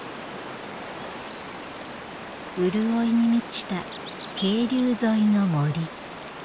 潤いに満ちた渓流沿いの森。